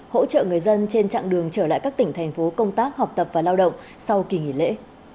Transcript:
hỗ trợ người dân trên chặng đường trở lại các tỉnh thành phố công tác học tập và lao động sau kỳ nghỉ lễ